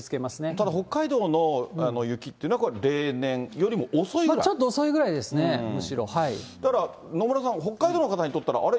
ただ北海道の雪っていうのは、ちょっと遅いぐらいですね、だから野村さん、北海道の方にとったら、あれ？